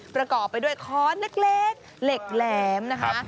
ประกอบไปด้วยค้อนเล็กเหล็กแหลมนะคะ